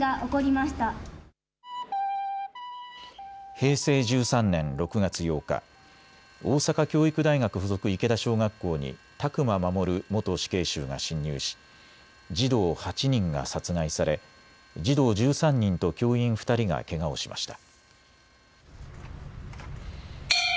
平成１３年６月８日、大阪教育大学附属池田小学校に宅間守元死刑囚が侵入し児童８人が殺害され児童１３人と教員２人がけがをしました。